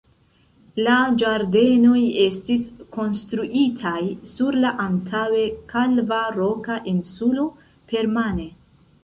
La ĝardenoj estis konstruitaj sur la antaŭe kalva roka insulo permane.